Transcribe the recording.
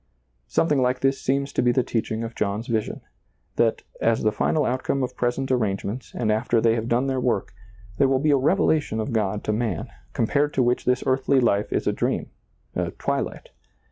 Something like this seems to be the teaching of John's vision, — that, as the final outcome of present arrangements and after they have done their work, there will be a revelation of God to man, compared to which this earthly Hfe is a dream, a twilight.